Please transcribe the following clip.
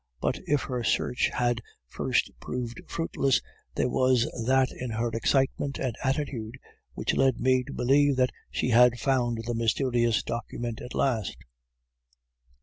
But if her search had at first proved fruitless, there was that in her excitement and attitude which led me to believe that she had found the mysterious documents at last.